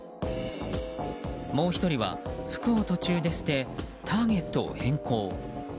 もう１人は服を途中で捨てターゲットを変更。